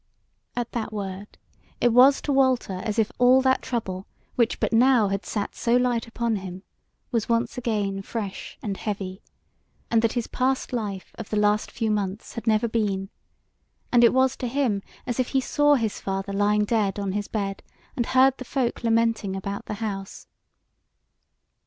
At that word it was to Walter as if all that trouble which but now had sat so light upon him, was once again fresh and heavy, and that his past life of the last few months had never been; and it was to him as if he saw his father lying dead on his bed, and heard the folk lamenting about the house.